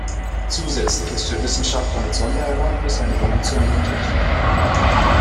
Zusätzlich ist für Wissenschaftler mit Sondererlaubnis eine Benutzung möglich.